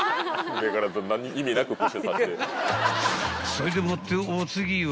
［それでもってお次は］